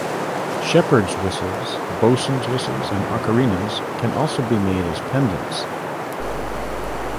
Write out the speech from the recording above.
Shepherd's whistles, bosun's whistles, and ocarinas can also be made as pendants.